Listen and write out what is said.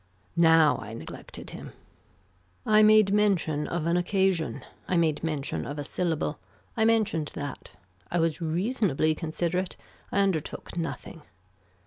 Now I neglected him. I made mention of an occasion. I made mention of a syllable. I mentioned that. I was reasonably considerate. I undertook nothing.